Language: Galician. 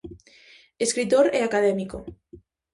Escritor e académico.